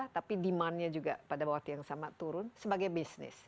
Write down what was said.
tapi demandnya juga pada waktu yang sama turun sebagai bisnis